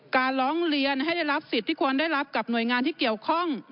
การร้องเรียนให้ได้รับสิทธิ์ที่ควรได้รับกับหน่วยงานที่เกี่ยวข้อง